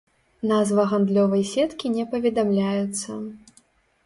Назва гандлёвай сеткі не паведамляецца.